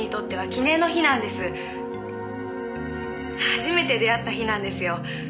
「初めて出会った日なんですよ」